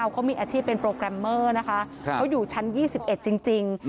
เขามีอาชีพเป็นโปรแกรมเมอร์นะคะเขาอยู่ชั้น๒๑จริง